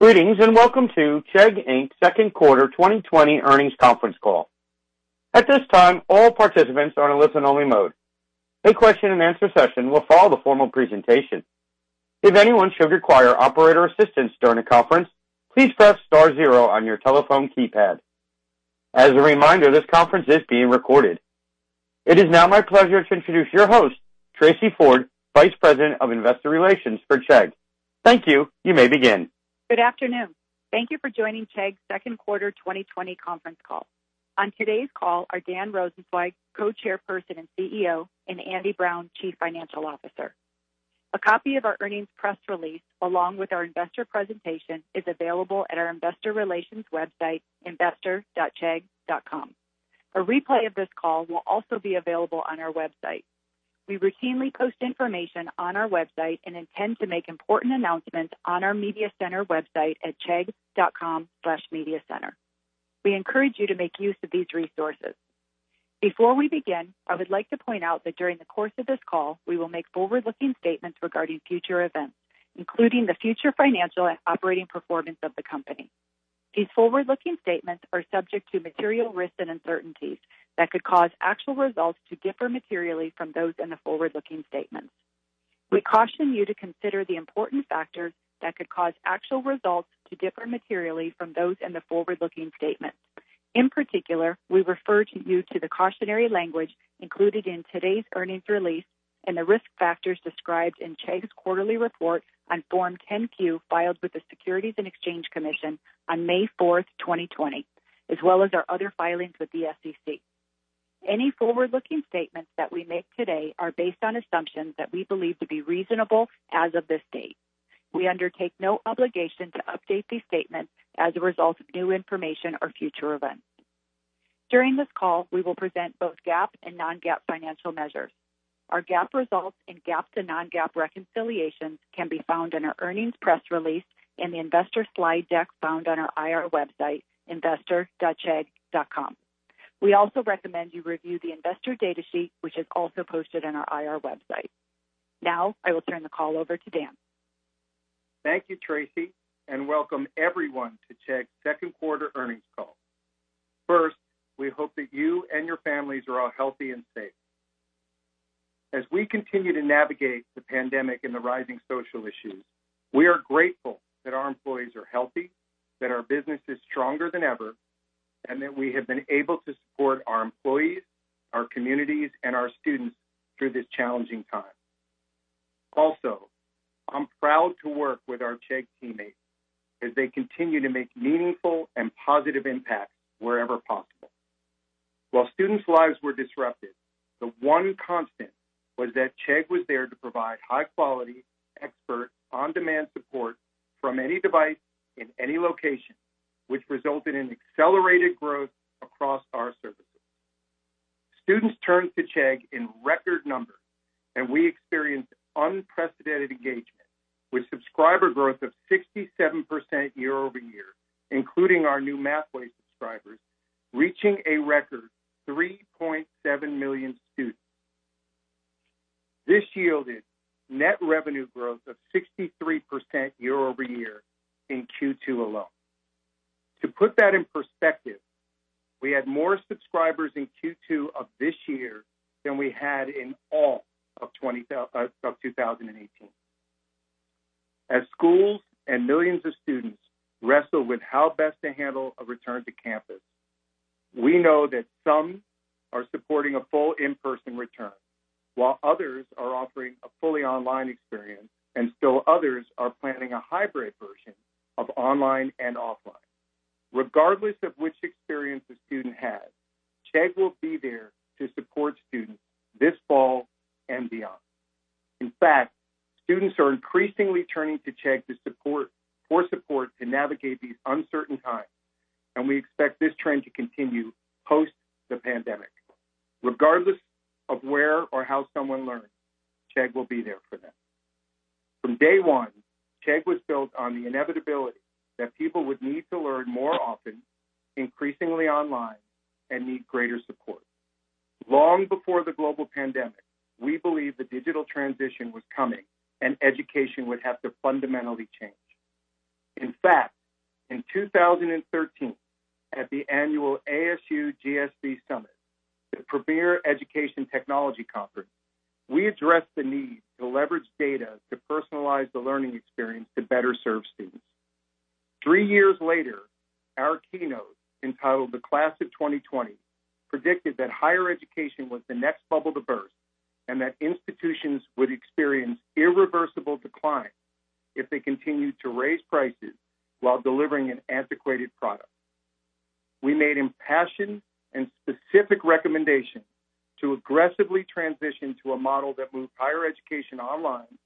Greetings, and welcome to Chegg Inc Second Quarter 2020 Earnings Conference Call. At this time, all participants are in listen-only mode. A question and answer session will follow the formal presentation. If anyone should require operator assistance during the conference, please press star zero on your telephone keypad. As a reminder, this conference is being recorded. It is now my pleasure to introduce your host, Tracey Ford, Vice President of Investor Relations for Chegg. Thank you. You may begin. Good afternoon. Thank you for joining Chegg's Second Quarter 2020 Conference Call. On today's call are Dan Rosensweig, Co-Chairperson and CEO, and Andy Brown, Chief Financial Officer. A copy of our earnings press release, along with our investor presentation, is available at our investor relations website, investor.chegg.com. A replay of this call will also be available on our website. We routinely post information on our website and intend to make important announcements on our media center website at chegg.com/mediacenter. We encourage you to make use of these resources. Before we begin, I would like to point out that during the course of this call, we will make forward-looking statements regarding future events, including the future financial and operating performance of the company. These forward-looking statements are subject to material risks and uncertainties that could cause actual results to differ materially from those in the forward-looking statements. We caution you to consider the important factors that could cause actual results to differ materially from those in the forward-looking statements. In particular, we refer you to the cautionary language included in today's earnings release and the risk factors described in Chegg's quarterly report on Form 10-Q filed with the Securities and Exchange Commission on May 4th, 2020, as well as our other filings with the SEC. Any forward-looking statements that we make today are based on assumptions that we believe to be reasonable as of this date. We undertake no obligation to update these statements as a result of new information or future events. During this call, we will present both GAAP and non-GAAP financial measures. Our GAAP results and GAAP to non-GAAP reconciliations can be found in our earnings press release in the investor slide deck found on our IR website, investor.chegg.com. We also recommend you review the investor data sheet, which is also posted on our IR website. I will turn the call over to Dan. Thank you, Tracey, and welcome, everyone, to Chegg Second Quarter Earnings Call. First, we hope that you and your families are all healthy and safe. As we continue to navigate the pandemic and the rising social issues, we are grateful that our employees are healthy, that our business is stronger than ever, and that we have been able to support our employees, our communities, and our students through this challenging time. Also, I'm proud to work with our Chegg teammates as they continue to make meaningful and positive impacts wherever possible. While students' lives were disrupted, the one constant was that Chegg was there to provide high-quality, expert, on-demand support from any device in any location, which resulted in accelerated growth across our services. Students turned to Chegg in record numbers, and we experienced unprecedented engagement with subscriber growth of 67% year-over-year, including our new Mathway subscribers, reaching a record 3.7 million students. This yielded net revenue growth of 63% year-over-year in Q2 alone. To put that in perspective, we had more subscribers in Q2 of this year than we had in all of 2018. As schools and millions of students wrestle with how best to handle a return to campus, we know that some are supporting a full in-person return, while others are offering a fully online experience, and still others are planning a hybrid version of online and offline. Regardless of which experience a student has, Chegg will be there to support students this fall and beyond. In fact, students are increasingly turning to Chegg for support to navigate these uncertain times, and we expect this trend to continue post the pandemic. Regardless of where or how someone learns, Chegg will be there for them. From day one, Chegg was built on the inevitability that people would need to learn more often, increasingly online, and need greater support. Long before the global pandemic, we believed the digital transition was coming and education would have to fundamentally change. In fact, in 2013, at the annual ASU+GSV Summit, the premier education technology conference, we addressed the need to leverage data to personalize the learning experience to better serve students. Three years later, our keynote, entitled "The Class of 2020," predicted that higher education was the next bubble to burst and that institutions would experience irreversible decline if they continued to raise prices while delivering an antiquated product. We made impassioned and specific recommendations to aggressively transition to a model that moved higher education online,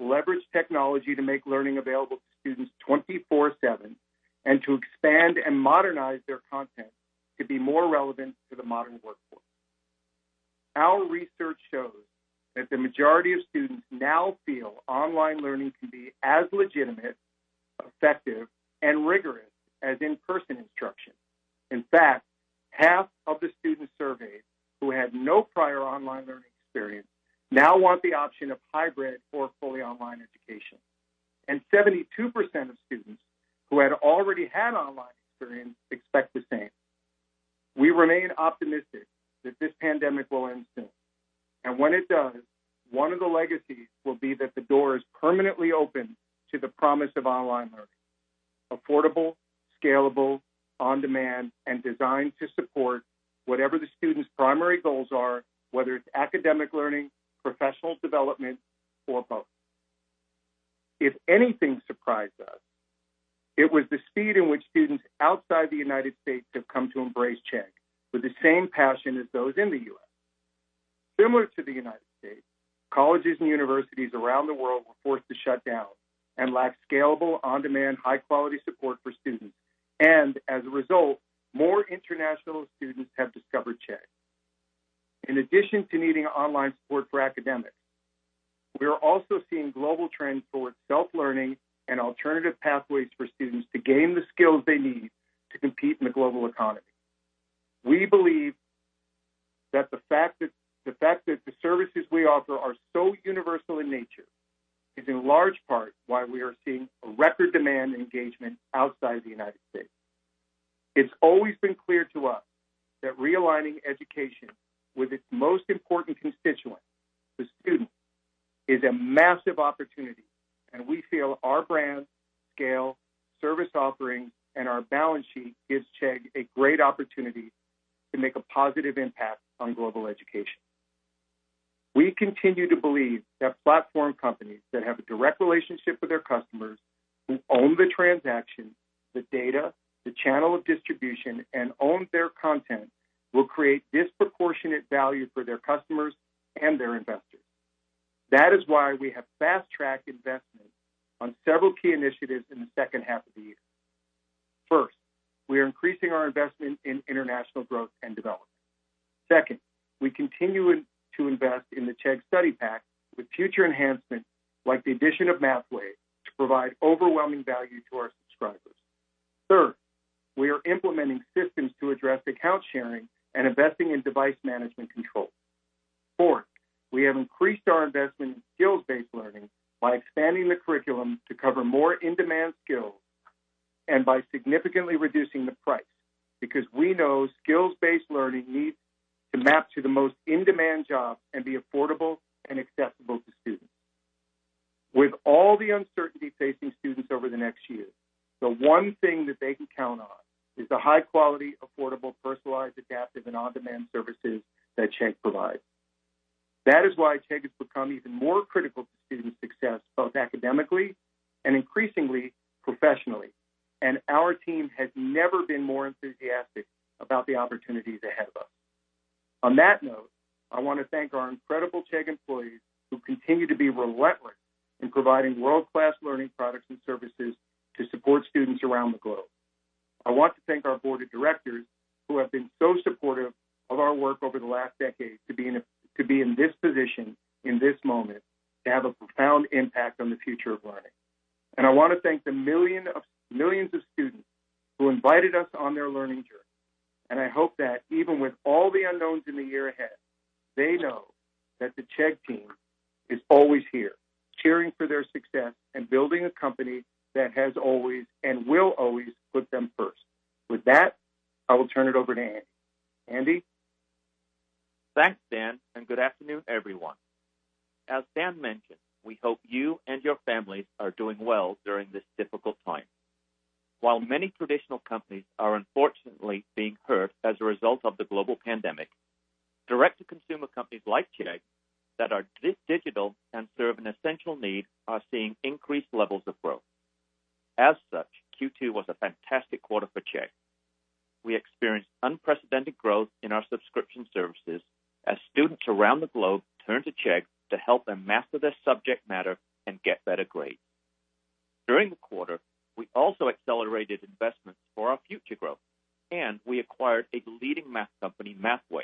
leveraged technology to make learning available to students 24/7, and to expand and modernize their content to be more relevant to the modern workforce. Our research shows that the majority of students now feel online learning can be as legitimate, effective, and rigorous as in-person instruction In fact, half of the students surveyed who had no prior online learning experience now want the option of hybrid or fully online education, and 72% of students who had already had online experience expect the same. We remain optimistic that this pandemic will end soon, and when it does, one of the legacies will be that the door is permanently open to the promise of online learning: affordable, scalable, on-demand, and designed to support whatever the student's primary goals are, whether it's academic learning, professional development, or both. If anything surprised us, it was the speed in which students outside the United States have come to embrace Chegg with the same passion as those in the U.S. Similar to the United States, colleges and universities around the world were forced to shut down and lack scalable, on-demand, high-quality support for students. As a result, more international students have discovered Chegg. In addition to needing online support for academics, we are also seeing global trends towards self-learning and alternative pathways for students to gain the skills they need to compete in the global economy. We believe that the fact that the services we offer are so universal in nature is in large part why we are seeing a record demand in engagement outside the United States. It's always been clear to us that realigning education with its most important constituent, the student, is a massive opportunity, and we feel our brand, scale, service offering, and our balance sheet gives Chegg a great opportunity to make a positive impact on global education. We continue to believe that platform companies that have a direct relationship with their customers, who own the transaction, the data, the channel of distribution, and own their content, will create disproportionate value for their customers and their investors. That is why we have fast-tracked investment on several key initiatives in the second half of the year. First, we are increasing our investment in international growth and development. Second, we continue to invest in the Chegg Study Pack with future enhancements like the addition of Mathway to provide overwhelming value to our subscribers. Third, we are implementing systems to address account sharing and investing in device management control. Fourth, we have increased our investment in skills-based learning by expanding the curriculum to cover more in-demand skills and by significantly reducing the price, because we know skills-based learning needs to map to the most in-demand jobs and be affordable and accessible to students. With all the uncertainty facing students over the next year, the one thing that they can count on is the high-quality, affordable, personalized, adaptive, and on-demand services that Chegg provides. That is why Chegg has become even more critical to student success, both academically and increasingly professionally, and our team has never been more enthusiastic about the opportunities ahead of us. On that note, I want to thank our incredible Chegg employees who continue to be relentless in providing world-class learning products and services to support students around the globe. I want to thank our board of directors who have been so supportive of our work over the last decade to be in this position in this moment, to have a profound impact on the future of learning. I want to thank the millions of students who invited us on their learning journey, and I hope that even with all the unknowns in the year ahead, they know that the Chegg team is always here, cheering for their success and building a company that has always and will always put them first. With that, I will turn it over to Andy. Andy? Thanks, Dan. Good afternoon, everyone. As Dan mentioned, we hope you and your families are doing well during this difficult time. While many traditional companies are unfortunately being hurt as a result of the global pandemic, direct-to-consumer companies like Chegg that are digital and serve an essential need are seeing increased levels of growth. As such, Q2 was a fantastic quarter for Chegg. We experienced unprecedented growth in our subscription services as students around the globe turned to Chegg to help them master their subject matter and get better grades. During the quarter, we also accelerated investments for our future growth, and we acquired a leading math company, Mathway.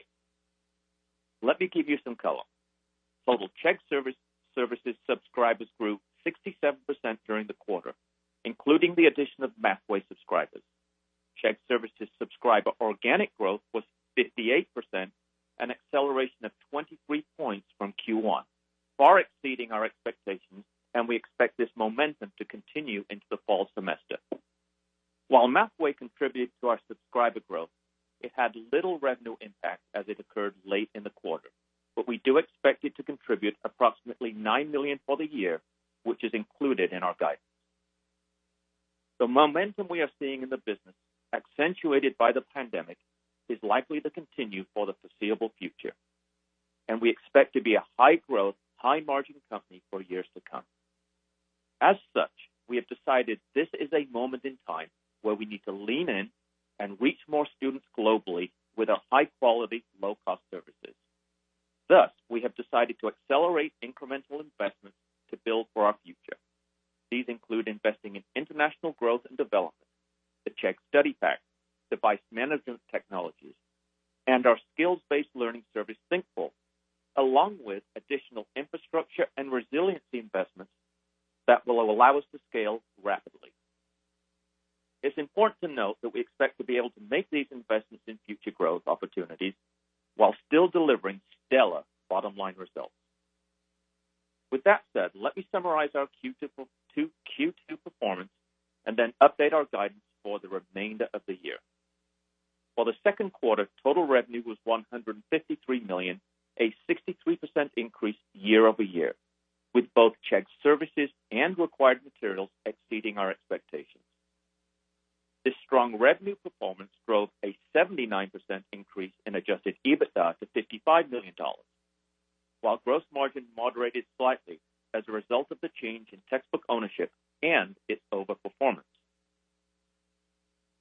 Let me give you some color. Total Chegg Services subscribers grew 67% during the quarter, including the addition of Mathway subscribers. Chegg Services subscriber organic growth was 58%, an acceleration of 23 points from Q1, far exceeding our expectations, and we expect this momentum to continue into the fall semester. While Mathway contributed to our subscriber growth, it had little revenue impact as it occurred late in the quarter. We do expect it to contribute approximately $9 million for the year, which is included in our guidance. The momentum we are seeing in the business, accentuated by the pandemic, is likely to continue for the foreseeable future, and we expect to be a high-growth, high-margin company for years to come. As such, we have decided this is a moment in time where we need to lean in and reach more students globally with our high-quality, low-cost services. Thus, we have decided to accelerate incremental investments to build for our future. These include investing in international growth and development, the Chegg Study Pack, device management technologies, and our skills-based learning service, Thinkful, along with additional infrastructure and resiliency investments. That will allow us to scale rapidly. It's important to note that we expect to be able to make these investments in future growth opportunities while still delivering stellar bottom-line results. With that said, let me summarize our Q2 performance and then update our guidance for the remainder of the year. For the second quarter, total revenue was $153 million, a 63% increase year-over-year, with both Chegg Services and Required Materials exceeding our expectations. This strong revenue performance drove a 79% increase in adjusted EBITDA to $55 million, while gross margin moderated slightly as a result of the change in textbook ownership and its over-performance.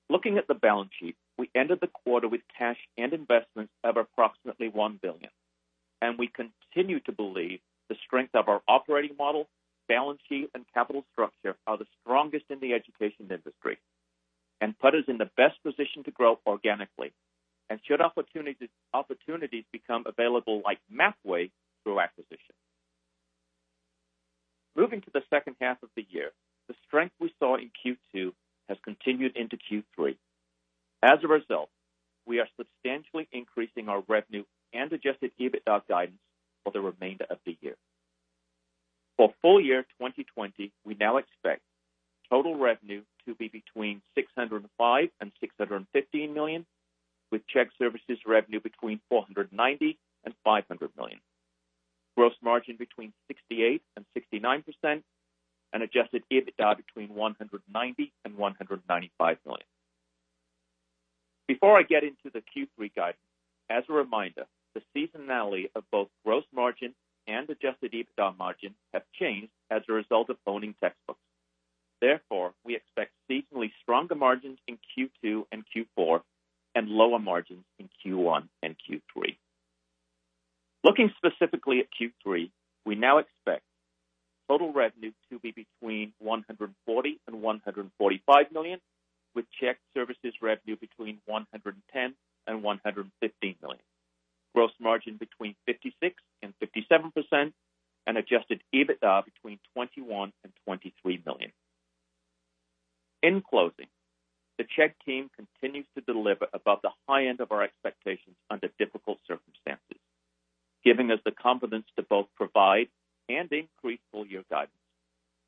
Looking at the balance sheet, we ended the quarter with cash and investments of approximately $1 billion. We continue to believe the strength of our operating model, balance sheet, and capital structure are the strongest in the education industry and put us in the best position to grow organically and should opportunities become available, like Mathway, through acquisition. Moving to the second half of the year, the strength we saw in Q2 has continued into Q3. As a result, we are substantially increasing our revenue and adjusted EBITDA guidance for the remainder of the year. For full year 2020, we now expect total revenue to be between $605 million and $615 million, with Chegg Services revenue between $490 million and $500 million. Gross margin between 68% and 69%, and adjusted EBITDA between $190 million and $195 million. Before I get into the Q3 guidance, as a reminder, the seasonality of both gross margin and adjusted EBITDA margin have changed as a result of owning textbooks. Therefore, we expect seasonally stronger margins in Q2 and Q4 and lower margins in Q1 and Q3. Looking specifically at Q3, we now expect total revenue to be between $140 million and $145 million, with Chegg Services revenue between $110 million and $115 million. Gross margin between 56% and 57%, and adjusted EBITDA between $21 million and $23 million. In closing, the Chegg team continues to deliver above the high end of our expectations under difficult circumstances, giving us the confidence to both provide and increase full-year guidance,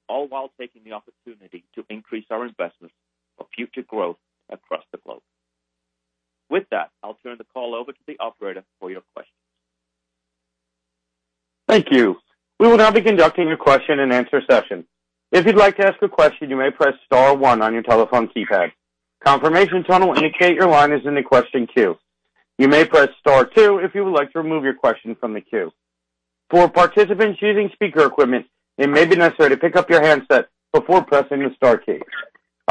all while taking the opportunity to increase our investments for future growth across the globe. With that, I'll turn the call over to the operator for your questions. Thank you. We will now be conducting a question and answer session. If you'd like to ask a question, you may press star one on your telephone keypad. Confirmation tone will indicate your line is in the question queue. You may press star two if you would like to remove your question from the queue. For participants using speaker equipment, it may be necessary to pick up your handset before pressing the star key.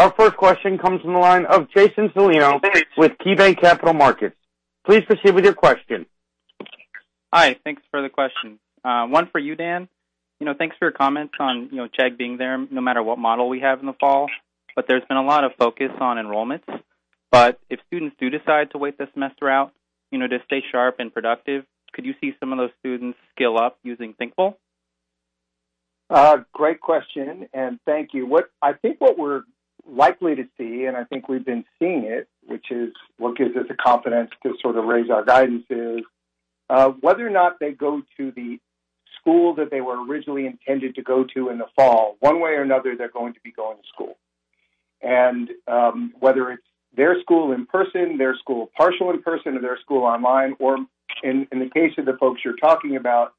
Our first question comes from the line of Jason Celino with KeyBanc Capital Markets. Please proceed with your question. Hi. Thanks for the question. One for you, Dan. Thanks for your comments on Chegg being there no matter what model we have in the fall. There's been a lot of focus on enrollments. If students do decide to wait the semester out to stay sharp and productive, could you see some of those students skill up using Thinkful? Great question, and thank you. I think what we're likely to see, and I think we've been seeing it, which is what gives us the confidence to sort of raise our guidance, is whether or not they go to the school that they were originally intended to go to in the fall, one way or another, they're going to be going to school. Whether it's their school in person, their school partial in person, or their school online, or in the case of the folks you're talking about,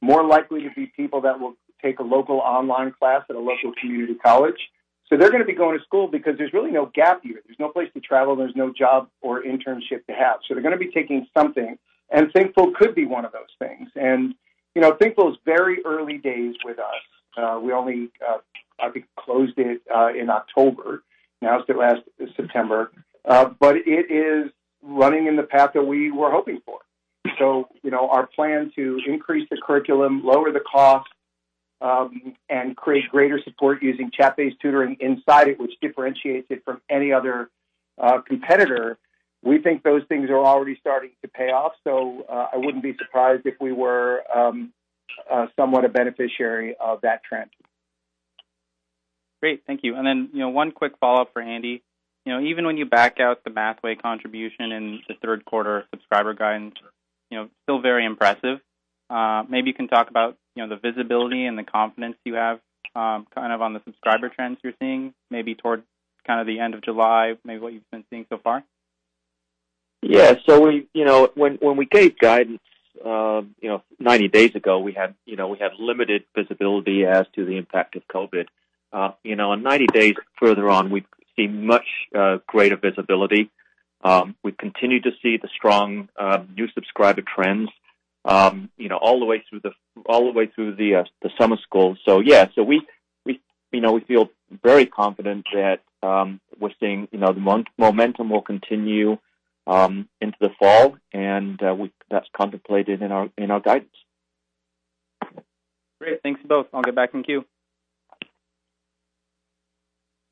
more likely to be people that will take a local online class at a local community college. They're going to be going to school because there's really no gap year. There's no place to travel. There's no job or internship to have. They're going to be taking something, and Thinkful could be one of those things. Thinkful is very early days with us. I think closed it in October. Now it's their last September. It is running in the path that we were hoping for. Our plan to increase the curriculum, lower the cost, and create greater support using chat-based tutoring inside it, which differentiates it from any other competitor. We think those things are already starting to pay off. I wouldn't be surprised if we were somewhat a beneficiary of that trend. Great. Thank you. One quick follow-up for Andy. Even when you back out the Mathway contribution in the third quarter subscriber guidance, still very impressive. Maybe you can talk about the visibility and the confidence you have on the subscriber trends you're seeing maybe towards the end of July, maybe what you've been seeing so far. Yeah. When we gave guidance 90 days ago, we had limited visibility as to the impact of COVID. 90 days further on, we see much greater visibility. We continue to see the strong new subscriber trends all the way through the summer school. Yeah. We feel very confident that we're seeing the momentum will continue into the fall, and that's contemplated in our guidance. Great. Thanks, both. I'll get back in queue.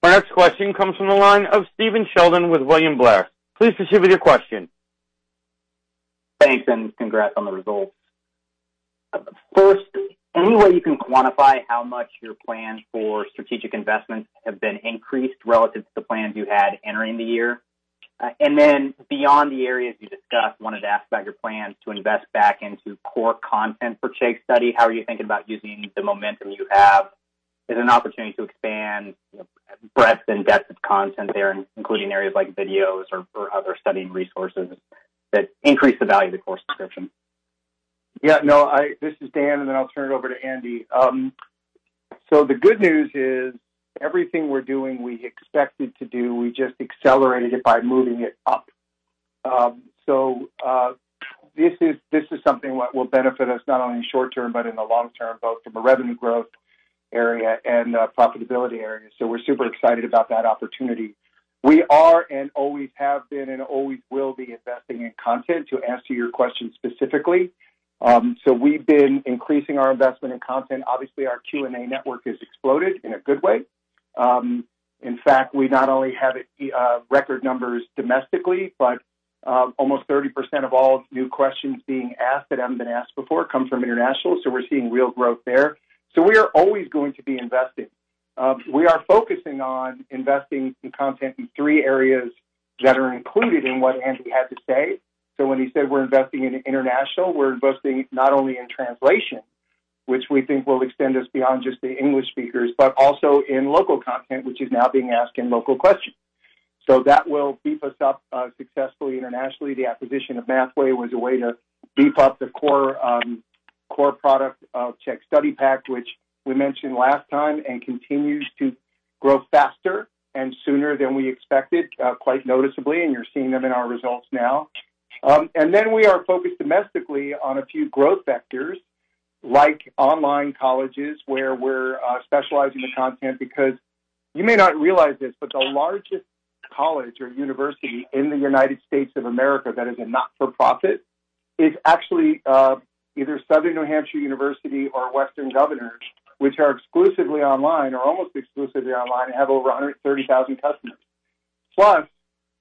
Our next question comes from the line of Stephen Sheldon with William Blair. Please proceed with your question. Thanks, and congrats on the results. First, any way you can quantify how much your plans for strategic investments have been increased relative to the plans you had entering the year? Then beyond the areas you discussed, wanted to ask about your plans to invest back into core content for Chegg Study. How are you thinking about using the momentum you have as an opportunity to expand breadth and depth of content there, including areas like videos or other studying resources that increase the value of the course description? Yeah. No, this is Dan, and then I'll turn it over to Andy. The good news is everything we're doing, we expected to do. We just accelerated it by moving it up. This is something that will benefit us not only in short term but in the long term, both from a revenue growth area and a profitability area. We're super excited about that opportunity. We are and always have been and always will be investing in content, to answer your question specifically. We've been increasing our investment in content. Obviously, our Q&A network has exploded in a good way. In fact, we not only have record numbers domestically, but almost 30% of all new questions being asked that haven't been asked before come from international. We're seeing real growth there. We are always going to be investing. We are focusing on investing in content in three areas that are included in what Andy had to say. When he said we're investing in international, we're investing not only in translation, which we think will extend us beyond just the English speakers, but also in local content, which is now being asked in local questions. That will beef us up successfully internationally. The acquisition of Mathway was a way to beef up the core product of Chegg Study Pack, which we mentioned last time, and continues to grow faster and sooner than we expected, quite noticeably, and you're seeing them in our results now. We are focused domestically on a few growth vectors, like online colleges, where we're specializing the content because you may not realize this, but the largest college or university in the United States of America that is a not-for-profit is actually either Southern New Hampshire University or Western Governors, which are exclusively online or almost exclusively online and have over 130,000 customers.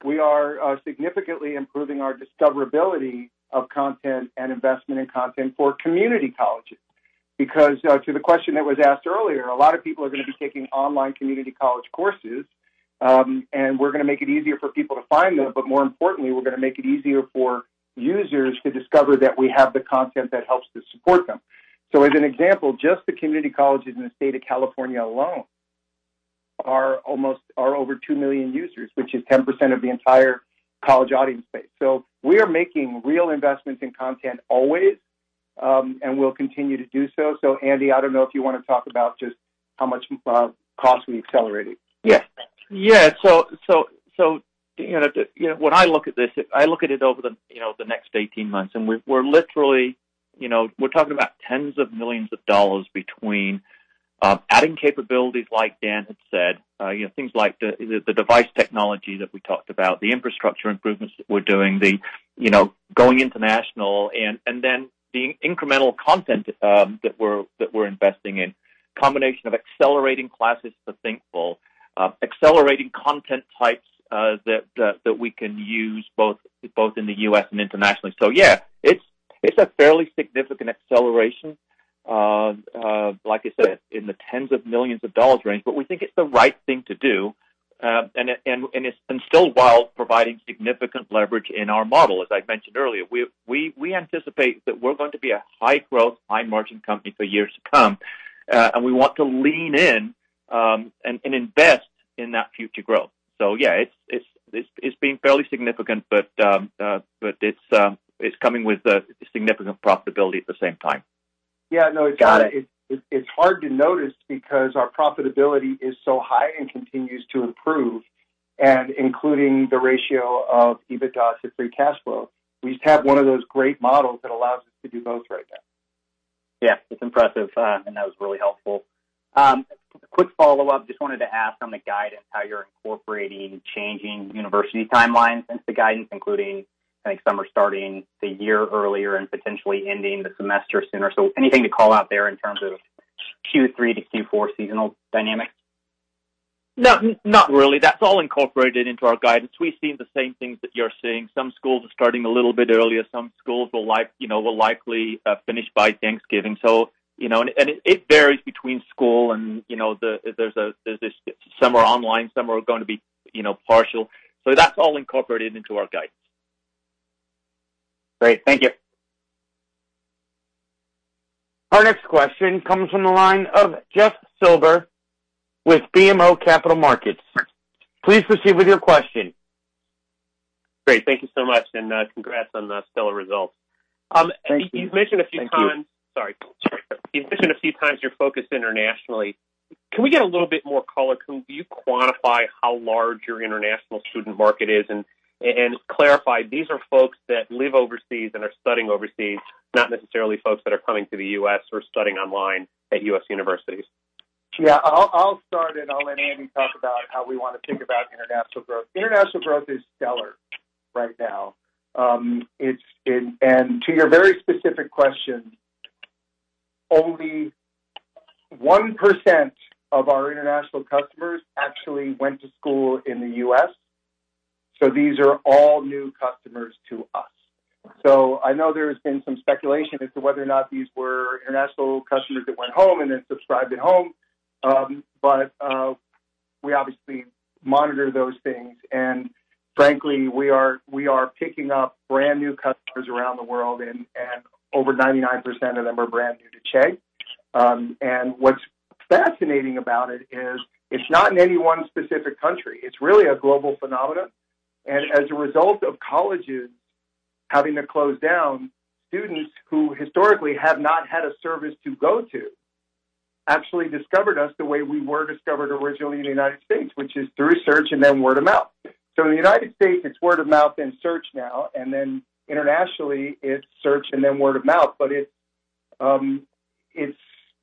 We are significantly improving our discoverability of content and investment in content for community colleges. To the question that was asked earlier, a lot of people are going to be taking online community college courses, and we're going to make it easier for people to find them. More importantly, we're going to make it easier for users to discover that we have the content that helps to support them. As an example, just the community colleges in the state of California alone are over two million users, which is 10% of the entire college audience base. We are making real investments in content always, and we'll continue to do so. Andy, I don't know if you want to talk about just how much cost we accelerated. Yeah. When I look at this, I look at it over the next 18 months, and we're literally, talking about tens of millions of dollars between adding capabilities, like Dan had said. Things like the device technology that we talked about, the infrastructure improvements that we're doing, going international, and then the incremental content that we're investing in. Combination of accelerating classes to Thinkful, accelerating content types that we can use both in the U.S. and internationally. Yeah, it's a fairly significant acceleration, like I said, in the tens of millions of dollar range. We think it's the right thing to do, and still while providing significant leverage in our model. As I mentioned earlier, we anticipate that we're going to be a high-growth, high-margin company for years to come. We want to lean in and invest in that future growth. Yeah, it's been fairly significant, but it's coming with significant profitability at the same time. Yeah. No. Got it. It's hard to notice because our profitability is so high and continues to improve, and including the ratio of EBITDA to free cash flow. We just have one of those great models that allows us to do both right now. Yeah, it's impressive. That was really helpful. Quick follow-up, just wanted to ask on the guidance, how you're incorporating changing university timelines since the guidance, including summer starting a year earlier and potentially ending the semester sooner. Anything to call out there in terms of Q3 to Q4 seasonal dynamics? Not really. That's all incorporated into our guidance. We've seen the same things that you're seeing. Some schools are starting a little bit earlier. Some schools will likely finish by Thanksgiving. It varies between school and there's some are online, some are going to be partial. That's all incorporated into our guidance. Great. Thank you. Our next question comes from the line of Jeff Silber with BMO Capital Markets. Please proceed with your question. Great. Thank you so much, and congrats on the stellar results. Thank you. You've mentioned a few times. Thank you. Sorry. You've mentioned a few times your focus internationally. Can we get a little bit more color? Can you quantify how large your international student market is? Clarify, these are folks that live overseas and are studying overseas, not necessarily folks that are coming to the U.S. or studying online at U.S. universities. Yeah, I'll start, and I'll let Andy talk about how we want to think about international growth. International growth is stellar right now. To your very specific question. Only 1% of our international customers actually went to school in the U.S. These are all new customers to us. I know there's been some speculation as to whether or not these were international customers that went home and then subscribed at home. We obviously monitor those things. Frankly, we are picking up brand new customers around the world, and over 99% of them are brand new to Chegg. What's fascinating about it is, it's not in any one specific country. It's really a global phenomenon. As a result of colleges having to close down, students who historically have not had a service to go to, actually discovered us the way we were discovered originally in the United States, which is through search and then word of mouth. In the United States, it's word of mouth and search now, and then internationally, it's search and then word of mouth.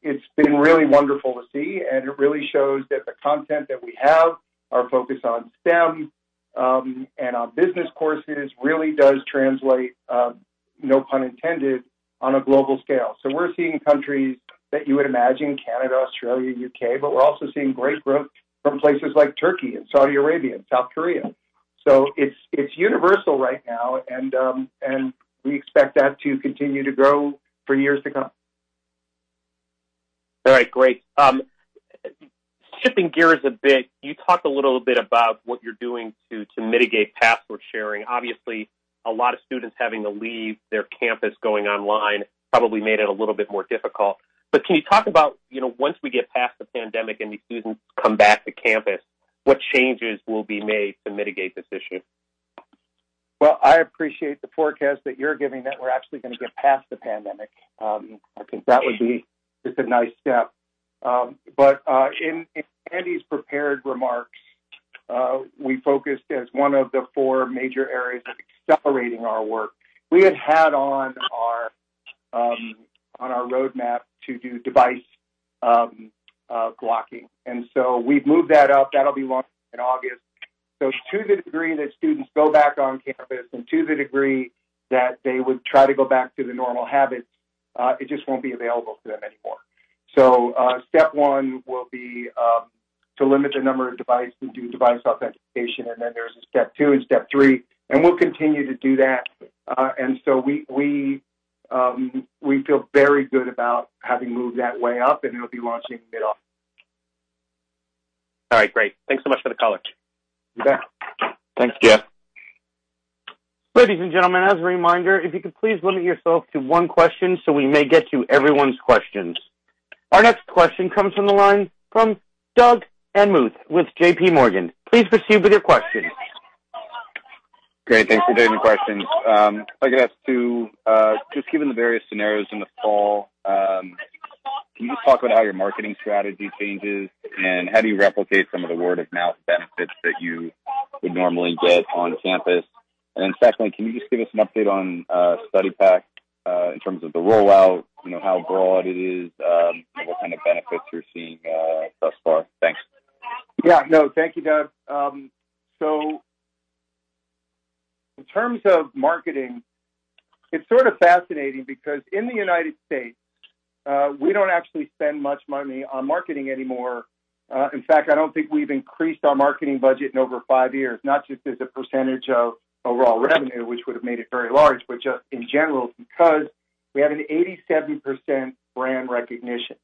It's been really wonderful to see, and it really shows that the content that we have, our focus on STEM, and on business courses really does translate, no pun intended, on a global scale. We're seeing countries that you would imagine, Canada, Australia, U.K., but we're also seeing great growth from places like Turkey and Saudi Arabia and South Korea. It's universal right now and we expect that to continue to grow for years to come. All right, great. Shifting gears a bit, you talked a little bit about what you're doing to mitigate password sharing. Obviously, a lot of students having to leave their campus, going online, probably made it a little bit more difficult. Can you talk about, once we get past the pandemic and these students come back to campus, what changes will be made to mitigate this issue? Well, I appreciate the forecast that you're giving that we're actually going to get past the pandemic. I think that would be just a nice step. In Andy's prepared remarks, we focused as one of the four major areas of accelerating our work. We had on our roadmap to do device blocking. We've moved that up. That'll be launched in August. To the degree that students go back on campus and to the degree that they would try to go back to the normal habits, it just won't be available to them anymore. Step one will be to limit the number of device and do device authentication, and then there's a step two and step three, and we'll continue to do that. We feel very good about having moved that way up, and it'll be launching in the middle of August. All right. Great. Thanks so much for the color. You bet. Thanks, Jeff. Ladies and gentlemen, as a reminder, if you could please limit yourself to one question so we may get to everyone's questions. Our next question comes from the line from Doug Anmuth with JPMorgan. Please proceed with your question. Great. Thanks for taking the questions. I guess given the various scenarios in the fall, can you just talk about how your marketing strategy changes, and how do you replicate some of the word of mouth benefits that you would normally get on campus? Secondly, can you just give us an update on Study Pack, in terms of the rollout, how broad it is, and what kind of benefits you're seeing thus far? Thanks. No, thank you, Doug. In terms of marketing, it's sort of fascinating because in the United States, we don't actually spend much money on marketing anymore. In fact, I don't think we've increased our marketing budget in over five years, not just as a percentage of overall revenue, which would have made it very large, but just in general because we have an 87% brand recognition.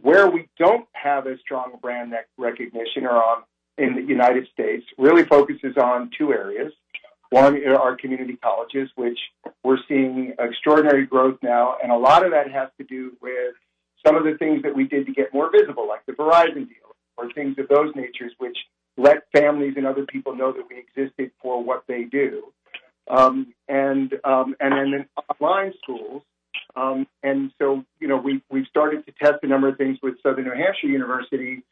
Where we don't have as strong brand recognition in the United States really focuses on two areas. One, are our community colleges, which we're seeing extraordinary growth now, and a lot of that has to do with some of the things that we did to get more visible, like the Verizon deal or things of those natures, which let families and other people know that we existed for what they do. Offline schools. We've started to test a number of things with Southern New Hampshire University,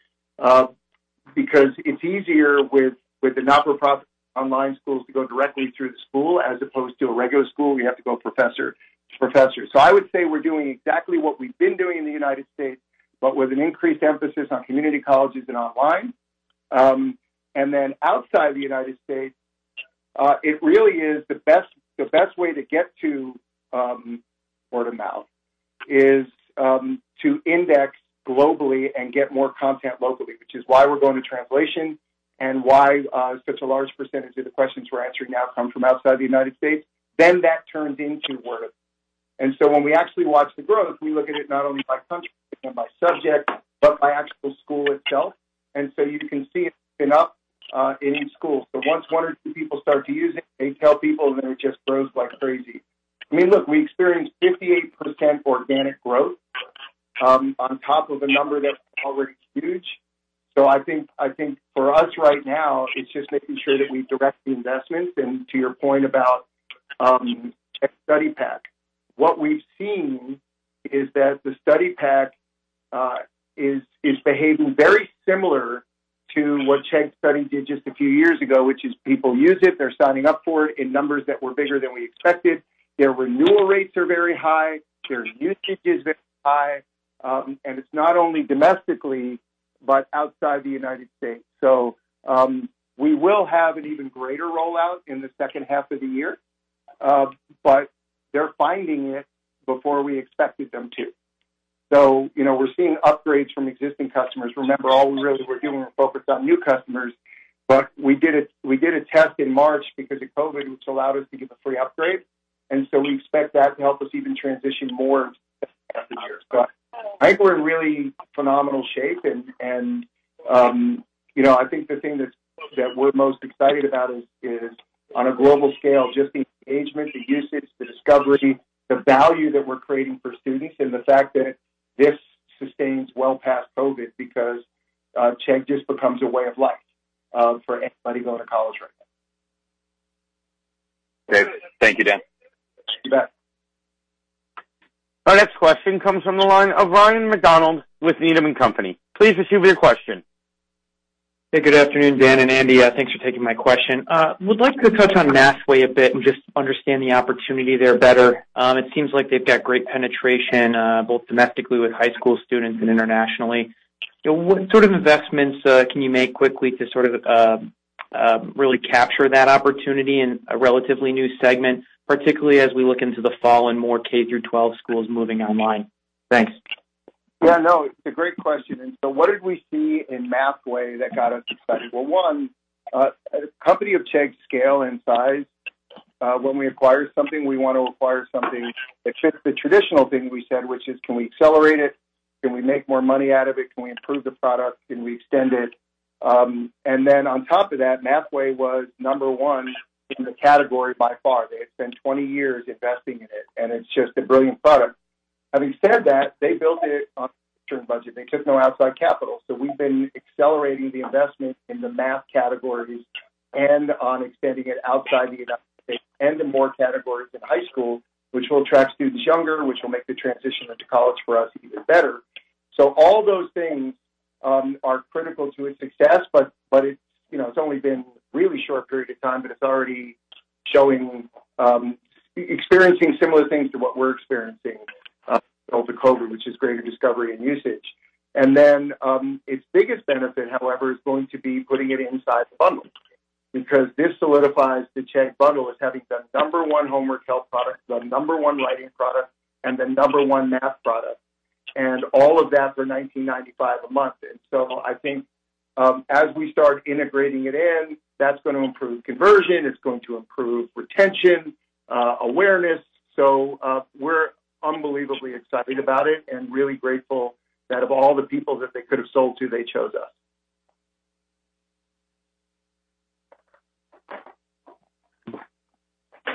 because it's easier with the not-for-profit online schools to go directly through the school as opposed to a regular school, you have to go professor to professor. I would say we're doing exactly what we've been doing in the United States, but with an increased emphasis on community colleges and online. Outside the United States, it really is the best way to get to word of mouth is to index globally and get more content locally, which is why we're going to translation and why such a large percentage of the questions we're answering now come from outside the United States. That turns into word of mouth. When we actually watch the growth, we look at it not only by country and by subject, but by actual school itself. You can see it picking up in schools. Once one or two people start to use it, they tell people, and then it just grows like crazy. I mean, look, we experienced 58% organic growth on top of a number that's already huge. I think for us right now, it's just making sure that we direct the investments. To your point about Chegg Study Pack, what we've seen is that the Study Pack is behaving very similar to what Chegg Study did just a few years ago, which is people use it, they're signing up for it in numbers that were bigger than we expected. Their renewal rates are very high. Their usage is very high. It's not only domestically but outside the United States. We will have an even greater rollout in the second half of the year, but they're finding it before we expected them to. We're seeing upgrades from existing customers. Remember, all we really were doing was focused on new customers, but we did a test in March because of COVID, which allowed us to give a free upgrade. We expect that to help us even transition more after years. I think we're in really phenomenal shape and I think the thing that we're most excited about is on a global scale, just the engagement, the usage, the discovery, the value that we're creating for students, and the fact that this sustains well past COVID because Chegg just becomes a way of life for anybody going to college right now. Great. Thank you, Dan. You bet. Our next question comes from the line of Ryan MacDonald with Needham & Company. Please proceed with your question. Hey, good afternoon, Dan and Andy. Thanks for taking my question. Would like to touch on Mathway a bit and just understand the opportunity there better. It seems like they've got great penetration, both domestically with high school students and internationally. What sort of investments can you make quickly to sort of really capture that opportunity in a relatively new segment, particularly as we look into the fall and more K-12 schools moving online? Thanks. Yeah, no, it's a great question. What did we see in Mathway that got us excited? Well, one, a company of Chegg's scale and size, when we acquire something, we want to acquire something that fits the traditional thing we said, which is, can we accelerate it? Can we make more money out of it? Can we improve the product? Can we extend it? On top of that, Mathway was number one in the category by far. They had spent 20 years investing in it, and it's just a brilliant product. Having said that, they built it on a certain budget. They took no outside capital. We've been accelerating the investment in the math categories and on extending it outside the United States and to more categories in high school, which will attract students younger, which will make the transition into college for us even better. All those things are critical to its success. It's only been a really short period of time, but it's already experiencing similar things to what we're experiencing with COVID, which is greater discovery and usage. Its biggest benefit, however, is going to be putting it inside the bundle because this solidifies the Chegg bundle as having the number one homework help product, the number one writing product, and the number one math product, and all of that for $19.95 a month. I think as we start integrating it in, that's going to improve conversion, it's going to improve retention, awareness. We're unbelievably excited about it and really grateful that of all the people that they could have sold to, they chose us.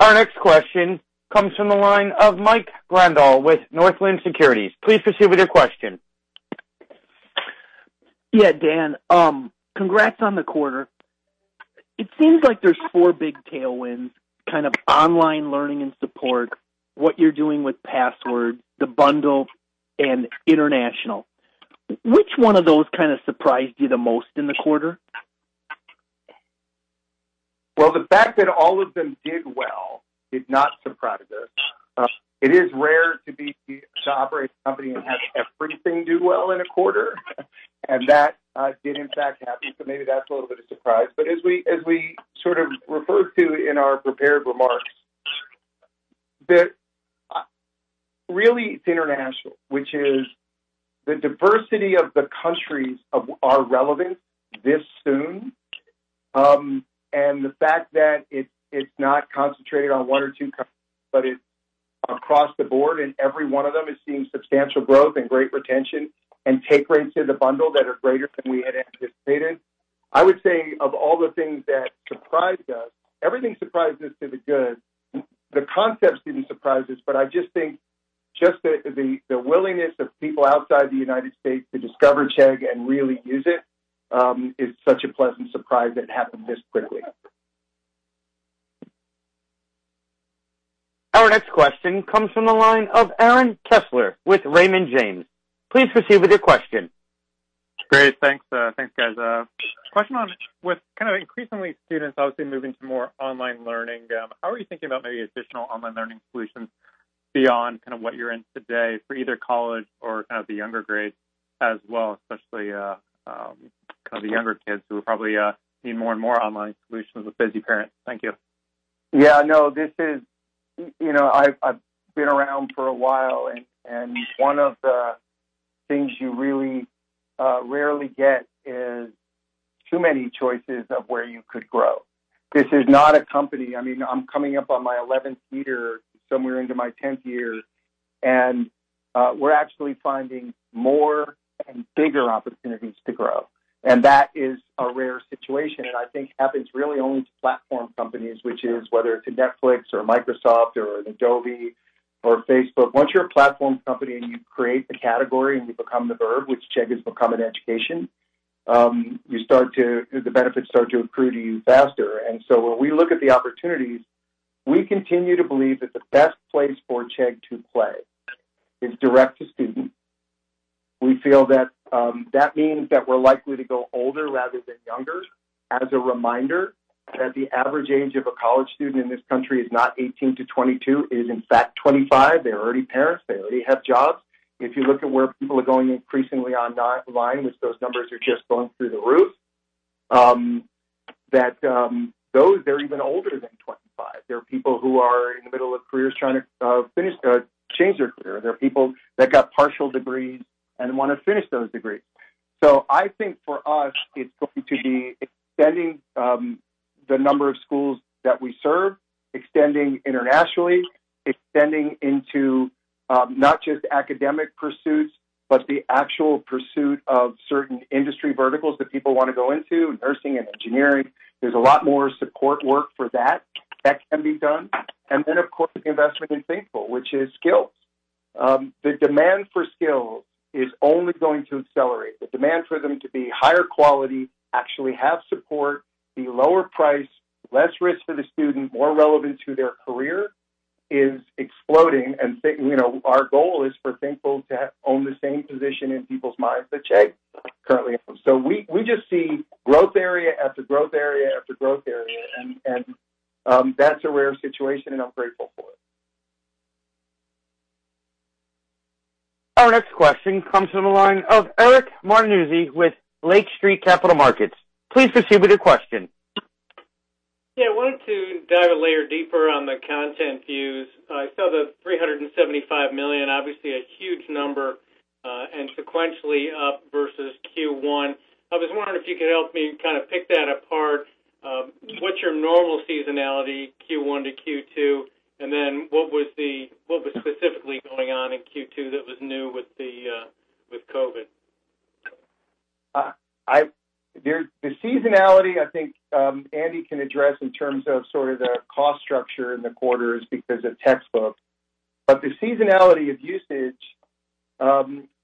Our next question comes from the line of Mike Randall with Northland Securities. Please proceed with your question. Yeah, Dan, congrats on the quarter. It seems like there's four big tailwinds, kind of online learning and support, what you're doing with password, the bundle, and international. Which one of those kind of surprised you the most in the quarter? Well, the fact that all of them did well did not surprise us. It is rare to operate a company and have everything do well in a quarter, and that did in fact happen. Maybe that's a little bit of surprise. As we sort of referred to in our prepared remarks, that really it's international, which is the diversity of the countries are relevant this soon. The fact that it's not concentrated on one or two countries, but it's across the board, and every one of them is seeing substantial growth and great retention and take rates in the bundle that are greater than we had anticipated. I would say of all the things that surprised us, everything surprised us to the good. The concepts didn't surprise us, but I just think just the willingness of people outside the United States to discover Chegg and really use it is such a pleasant surprise that it happened this quickly. Our next question comes from the line of Aaron Kessler with Raymond James. Please proceed with your question. Great. Thanks, guys. Question on with kind of increasingly students obviously moving to more online learning, how are you thinking about maybe additional online learning solutions beyond kind of what you're in today for either college or kind of the younger grades as well, especially kind of the younger kids who will probably need more and more online solutions with busy parents. Thank you. Yeah, no. I've been around for a while, and one of the things you really rarely get is too many choices of where you could grow. This is not a company. I mean, I'm coming up on my 11th year, somewhere into my 10th year, we're actually finding more and bigger opportunities to grow. That is a rare situation, and I think happens really only to platform companies, which is whether it's a Netflix or a Microsoft or an Adobe or a Facebook. Once you're a platform company and you create the category and you become the verb, which Chegg has become in education, the benefits start to accrue to you faster. When we look at the opportunities, we continue to believe that the best place for Chegg to play is direct to student. We feel that that means that we're likely to go older rather than younger. As a reminder, that the average age of a college student in this country is not 18-22. It is in fact 25. They're already parents. They already have jobs. If you look at where people are going increasingly online, those numbers are just going through the roof. They're even older than 25. They're people who are in the middle of careers trying to change their career. They're people that got partial degrees and want to finish those degrees. I think for us, it's going to be extending the number of schools that we serve, extending internationally, extending into not just academic pursuits, but the actual pursuit of certain industry verticals that people want to go into. Nursing and engineering. There's a lot more support work for that can be done. Of course, the investment in Thinkful, which is skills. The demand for skill is only going to accelerate. The demand for them to be higher quality, actually have support, be lower price, less risk for the student, more relevant to their career, is exploding. Our goal is for Thinkful to own the same position in people's minds that Chegg currently owns. We just see growth area after growth area after growth area, and that's a rare situation, and I'm grateful for it. Our next question comes from the line of Eric Martinuzzi with Lake Street Capital Markets. Please proceed with your question. Yeah. I wanted to dive a layer deeper on the content views. I saw the $375 million, obviously a huge number, and sequentially up versus Q1. I was wondering if you could help me kind of pick that apart. What's your normal seasonality, Q1 to Q2? What was specifically going on in Q2 that was new with COVID? The seasonality, I think Andy can address in terms of sort of the cost structure in the quarters because of textbooks. The seasonality of usage,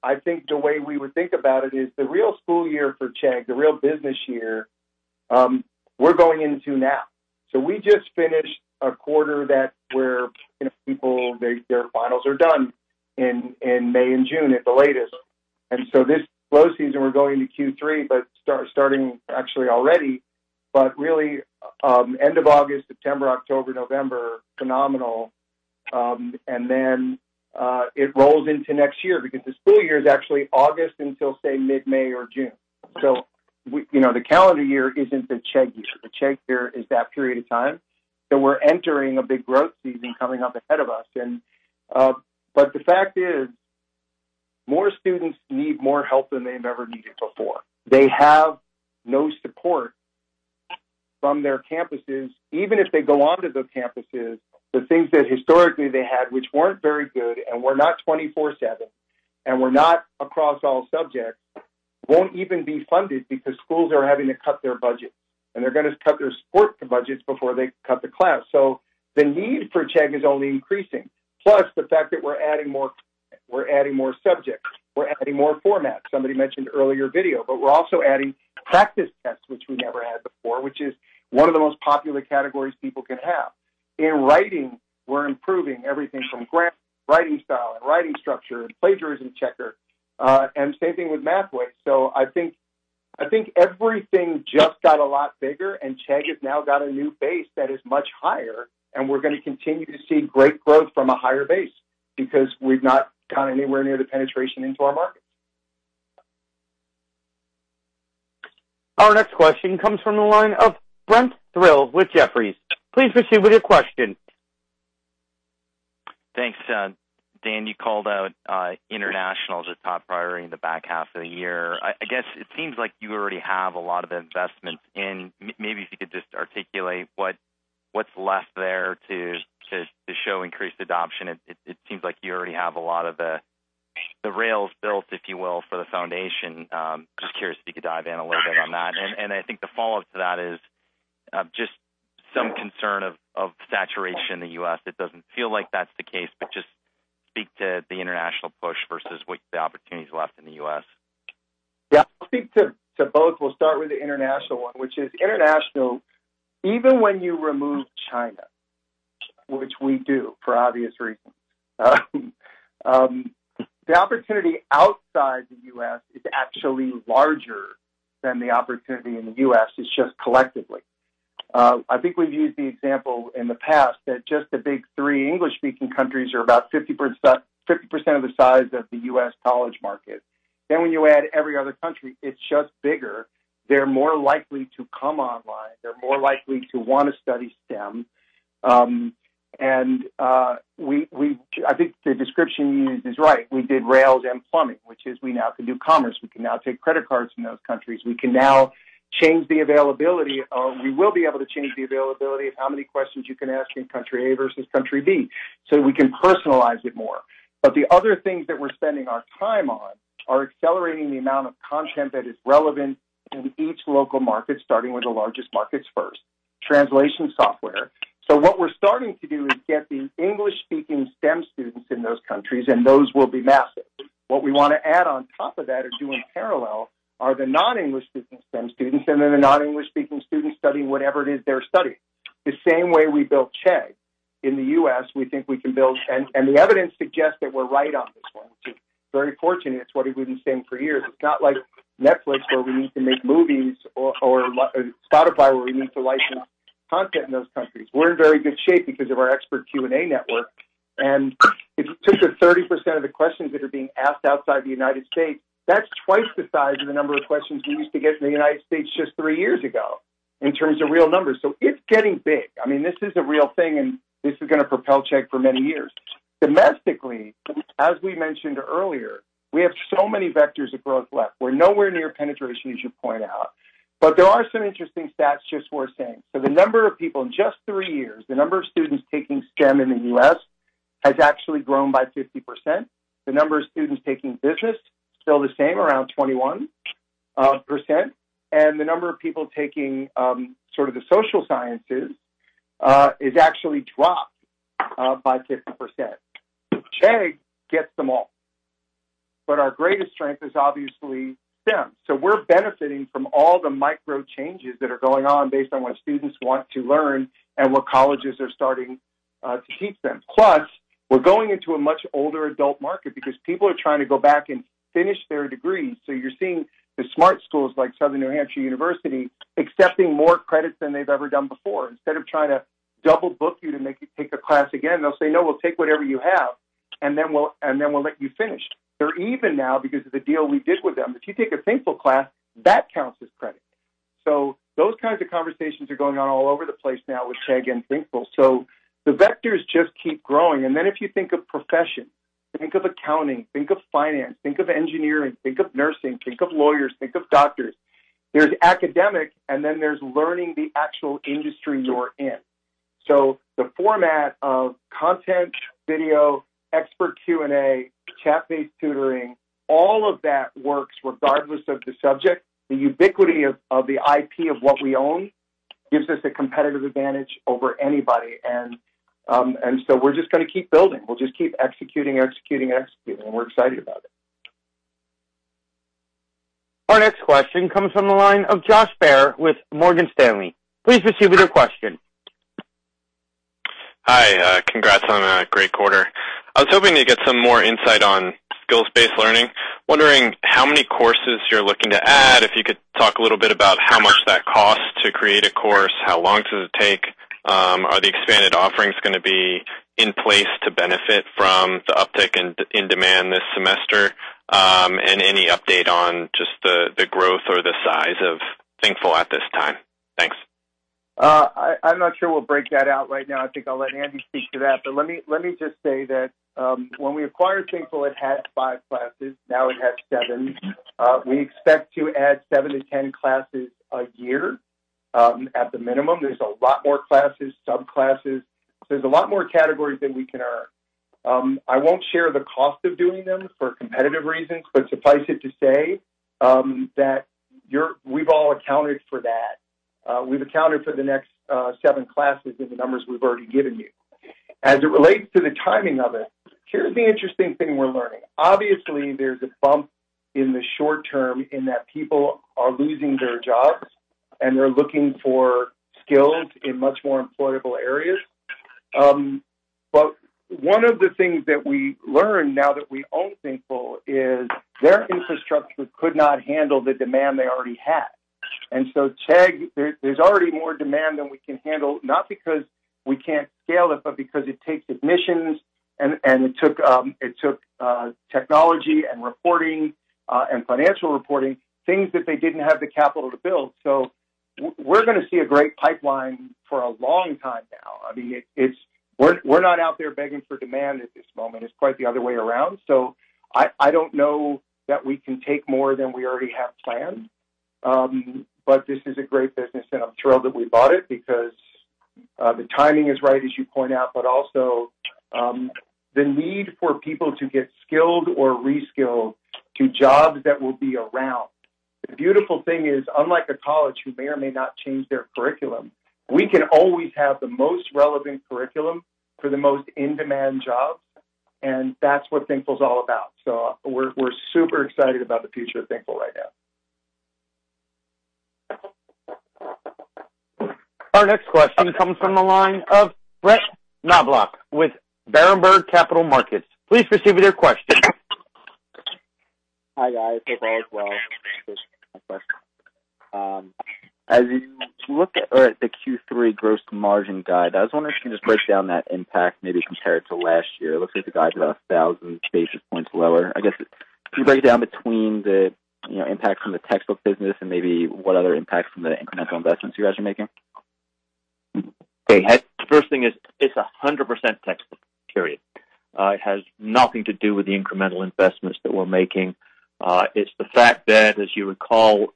I think the way we would think about it is the real school year for Chegg, the real business year, we're going into now. We just finished a quarter where people, their finals are done in May and June at the latest. This slow season, we're going into Q3, but starting actually already. Really, end of August, September, October, November, phenomenal. It rolls into next year because the school year is actually August until, say, mid-May or June. The calendar year isn't the Chegg year. The Chegg year is that period of time. We're entering a big growth season coming up ahead of us. The fact is, more students need more help than they've ever needed before. They have no support from their campuses. Even if they belong to those campuses, the things that historically they had, which weren't very good and were not 24/7, and were not across all subjects, won't even be funded because schools are having to cut their budget, and they're going to cut their support budgets before they cut the class. The need for Chegg is only increasing. Plus, the fact that we're adding more subjects, we're adding more formats. Somebody mentioned earlier video, but we're also adding practice tests, which we never had before, which is one of the most popular categories people can have. In writing, we're improving everything from writing style and writing structure and plagiarism checker. Same thing with Mathway. I think everything just got a lot bigger, and Chegg has now got a new base that is much higher, and we're going to continue to see great growth from a higher base because we've not gone anywhere near the penetration into our markets. Our next question comes from the line of Brent Thill with Jefferies. Please proceed with your question. Thanks. Dan, you called out international as a top priority in the back half of the year. I guess it seems like you already have a lot of investments in. Maybe if you could just articulate what's left there to show increased adoption. It seems like you already have a lot of the rails built, if you will, for the foundation. Just curious if you could dive in a little bit on that. I think the follow-up to that is just some concern of saturation in the U.S. It doesn't feel like that's the case, but just speak to the international push versus what the opportunities left in the U.S. Yeah. I'll speak to both. We'll start with the international one, which is international, even when you remove China, which we do for obvious reasons, the opportunity outside the U.S. is actually larger than the opportunity in the U.S., it's just collectively. I think we've used the example in the past that just the big three English-speaking countries are about 50% of the size of the U.S. college market. When you add every other country, it's just bigger. They're more likely to come online. They're more likely to want to study STEM. I think the description you used is right. We did rails and plumbing, which is we now can do commerce. We can now take credit cards from those countries. We will be able to change the availability of how many questions you can ask in country A versus country B, so we can personalize it more. The other things that we're spending our time on are accelerating the amount of content that is relevant in each local market, starting with the largest markets first. Translation software. What we're starting to do is get the English-speaking STEM students in those countries, and those will be massive. What we want to add on top of that or do in parallel are the non-English speaking STEM students, and then the non-English speaking students studying whatever it is they're studying. The same way we built Chegg. In the U.S., we think we can build. The evidence suggests that we're right on this one, which is very fortunate. It's what we've been saying for years. It's not like Netflix, where we need to make movies, or Spotify, where we need to license content in those countries. We're in very good shape because of our expert Q&A network. If you take the 30% of the questions that are being asked outside the United States, that's twice the size of the number of questions we used to get in the United States just three years ago, in terms of real numbers. It's getting big. This is a real thing, and this is going to propel Chegg for many years. Domestically, as we mentioned earlier, we have so many vectors of growth left. We're nowhere near penetration, as you point out. There are some interesting stats just worth saying. The number of people in just three years, the number of students taking STEM in the U.S. has actually grown by 50%. The number of students taking business, still the same, around 21%. The number of people taking the social sciences has actually dropped by 50%. Chegg gets them all. Our greatest strength is obviously STEM. We're benefiting from all the micro changes that are going on based on what students want to learn and what colleges are starting to teach them. Plus, we're going into a much older adult market because people are trying to go back and finish their degrees. You're seeing the smart schools like Southern New Hampshire University accepting more credits than they've ever done before. Instead of trying to double book you to make you take a class again, they'll say, "No, we'll take whatever you have, and then we'll let you finish." They're even now because of the deal we did with them. If you take a Thinkful class, that counts as credit. Those kinds of conversations are going on all over the place now with Chegg and Thinkful. The vectors just keep growing. If you think of profession, think of accounting, think of finance, think of engineering, think of nursing, think of lawyers, think of doctors. There's academic, and then there's learning the actual industry you're in. The format of content, video, expert Q&A, chat-based tutoring, all of that works regardless of the subject. The ubiquity of the IP of what we own gives us a competitive advantage over anybody. We're just going to keep building. We'll just keep executing. We're excited about it. Our next question comes from the line of Josh Baer with Morgan Stanley. Please proceed with your question. Hi. Congrats on a great quarter. I was hoping to get some more insight on skills-based learning. Wondering how many courses you're looking to add, if you could talk a little bit about how much that costs to create a course, how long does it take? Are the expanded offerings going to be in place to benefit from the uptick in demand this semester? Any update on just the growth or the size of Thinkful at this time? Thanks. I'm not sure we'll break that out right now. I think I'll let Andy speak to that. Let me just say that when we acquired Thinkful, it had five classes. Now it has seven. We expect to add seven to 10 classes a year at the minimum. There's a lot more classes, subclasses. There's a lot more categories than we can earn. I won't share the cost of doing them for competitive reasons, but suffice it to say, that we've all accounted for that. We've accounted for the next seven classes in the numbers we've already given you. As it relates to the timing of it, here's the interesting thing we're learning. Obviously, there's a bump in the short term in that people are losing their jobs and they're looking for skills in much more employable areas. One of the things that we learned now that we own Thinkful is their infrastructure could not handle the demand they already had. Chegg, there's already more demand than we can handle, not because we can't scale it, but because it takes admissions, and it took technology and financial reporting, things that they didn't have the capital to build. We're going to see a great pipeline for a long time now. We're not out there begging for demand at this moment. It's quite the other way around. I don't know that we can take more than we already have planned. This is a great business, and I'm thrilled that we bought it because the timing is right, as you point out, but also the need for people to get skilled or re-skilled to jobs that will be around. The beautiful thing is, unlike a college who may or may not change their curriculum, we can always have the most relevant curriculum for the most in-demand jobs. That's what Thinkful's all about. We're super excited about the future of Thinkful right now. Our next question comes from the line of Brett Knoblauch with Berenberg Capital Markets. Please proceed with your question. Hi, guys. Hope all is well. As you look at the Q3 gross margin guide, I was wondering if you can just break down that impact, maybe compare it to last year. It looks like the guide's 1,000 basis points lower. I guess, can you break it down between the impact from the textbook business and maybe what other impacts from the incremental investments you guys are making? Hey, the first thing is it's 100% textbook, period. It has nothing to do with the incremental investments that we're making. It's the fact that, as you recall,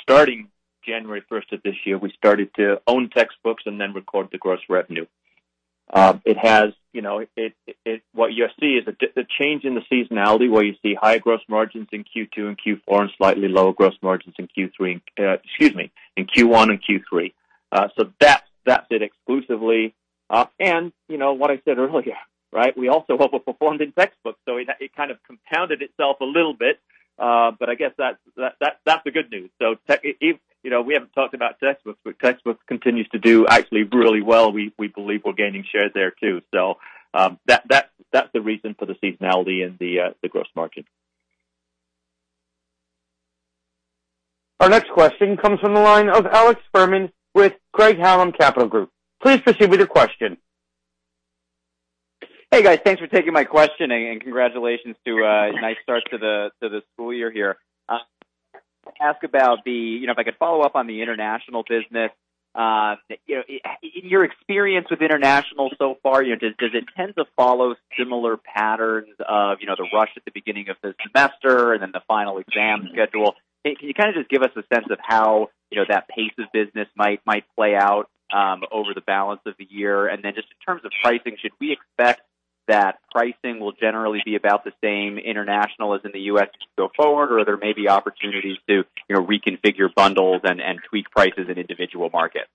starting January 1st of this year, we started to own textbooks and then record the gross revenue. What you'll see is the change in the seasonality where you see high gross margins in Q2 and Q4 and slightly lower gross margins in Q1 and Q3. That's it exclusively. What I said earlier, we also overperformed in textbooks, so it kind of compounded itself a little bit. I guess that's the good news. We haven't talked about textbooks, but textbooks continues to do actually really well. We believe we're gaining share there, too. That's the reason for the seasonality in the gross margin. Our next question comes from the line of Alex Fuhrman with Craig-Hallum Capital Group. Please proceed with your question. Hey, guys. Thanks for taking my question, congratulations to a nice start to the school year here. If I could follow up on the international business. In your experience with international so far, does it tend to follow similar patterns of the rush at the beginning of the semester and then the final exam schedule? Can you just give us a sense of how that pace of business might play out over the balance of the year? Just in terms of pricing, should we expect that pricing will generally be about the same international as in the U.S. go forward? There may be opportunities to reconfigure bundles and tweak prices in individual markets?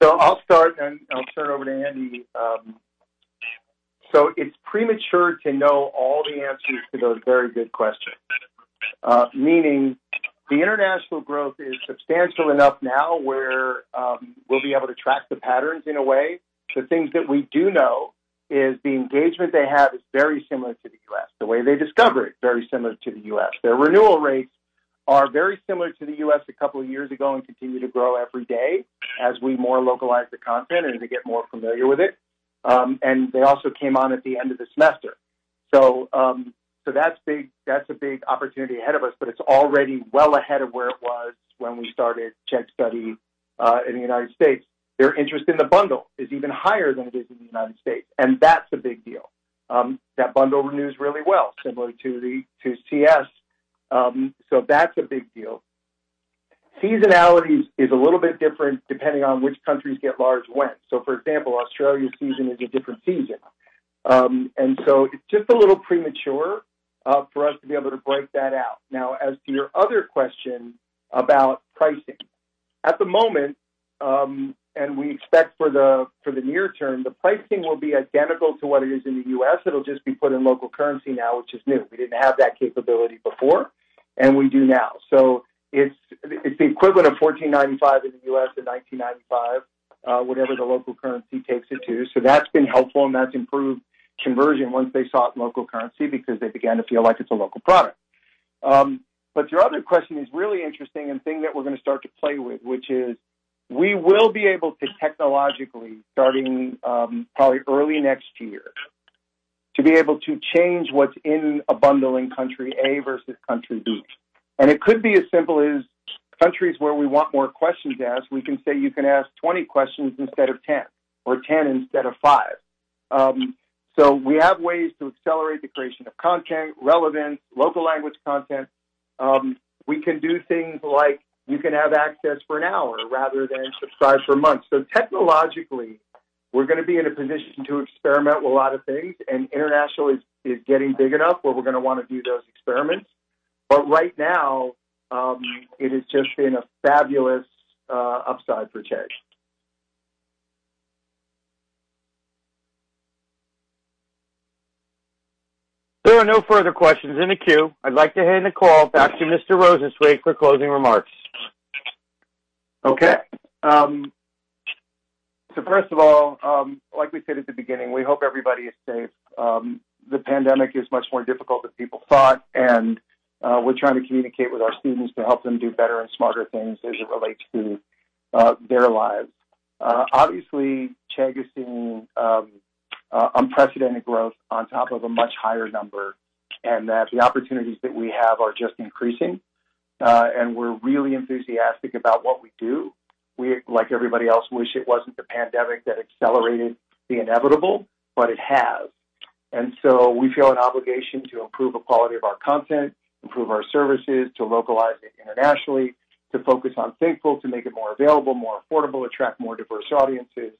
I'll start, and I'll turn it over to Andy. It's premature to know all the answers to those very good questions. Meaning the international growth is substantial enough now where we'll be able to track the patterns in a way. The things that we do know is the engagement they have is very similar to the U.S. The way they discover it, very similar to the U.S. Their renewal rates are very similar to the U.S. a couple of years ago and continue to grow every day as we more localize the content and they get more familiar with it. They also came on at the end of the semester. That's a big opportunity ahead of us, but it's already well ahead of where it was when we started Chegg Study in the United States. Their interest in the bundle is even higher than it is in the United States, and that's a big deal. That bundle renews really well, similar to CS. That's a big deal. Seasonality is a little bit different depending on which countries get large when. For example, Australia's season is a different season. It's just a little premature for us to be able to break that out. Now, as to your other question about pricing. At the moment, and we expect for the near term, the pricing will be identical to what it is in the U.S. It'll just be put in local currency now, which is new. We didn't have that capability before, and we do now. It's the equivalent of $14.95 in the U.S. to $19.95, whatever the local currency takes it to. That's been helpful, and that's improved conversion once they saw it in local currency because they began to feel like it's a local product. Your other question is really interesting and thing that we're going to start to play with, which is we will be able to technologically, starting probably early next year, to be able to change what's in a bundle in country A versus country B. It could be as simple as countries where we want more questions asked. We can say you can ask 20 questions instead of 10, or 10 instead of five. We have ways to accelerate the creation of content, relevance, local language content. We can do things like you can have access for an hour rather than subscribe for months. Technologically, we're going to be in a position to experiment with a lot of things, and international is getting big enough where we're going to want to do those experiments. Right now, it has just been a fabulous upside for Chegg. There are no further questions in the queue. I'd like to hand the call back to Mr. Rosensweig for closing remarks. First of all, like we said at the beginning, we hope everybody is safe. The pandemic is much more difficult than people thought, and we're trying to communicate with our students to help them do better and smarter things as it relates to their lives. Obviously, Chegg has seen unprecedented growth on top of a much higher number, and that the opportunities that we have are just increasing. We're really enthusiastic about what we do. We, like everybody else, wish it wasn't the pandemic that accelerated the inevitable, but it has. We feel an obligation to improve the quality of our content, improve our services, to localize it internationally, to focus on Thinkful, to make it more available, more affordable, attract more diverse audiences.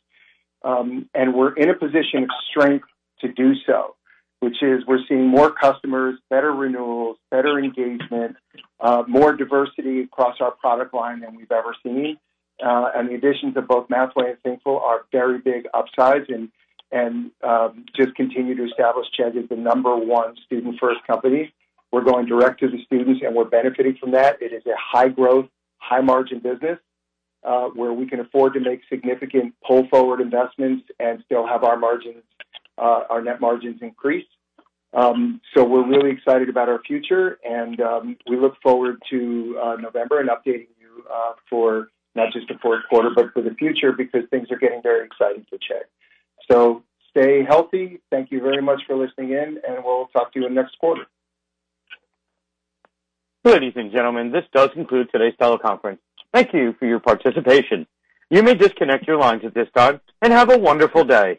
We're in a position of strength to do so, which is we're seeing more customers, better renewals, better engagement, more diversity across our product line than we've ever seen. The additions of both Mathway and Thinkful are very big upsides and just continue to establish Chegg as the number one student-first company. We're going direct to the students, and we're benefiting from that. It is a high-growth, high-margin business where we can afford to make significant pull-forward investments and still have our net margins increase. We're really excited about our future, and we look forward to November and updating you for not just the fourth quarter, but for the future because things are getting very exciting for Chegg. Stay healthy. Thank you very much for listening in, and we'll talk to you in next quarter. Ladies and gentlemen, this does conclude today's teleconference. Thank you for your participation. You may disconnect your lines at this time, and have a wonderful day.